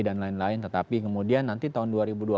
dan lain lain tetapi kemudian nanti tahun